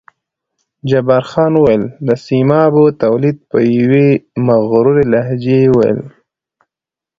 جبار خان وویل: د سیمابو تولید، په یوې مغرورې لهجې یې وویل.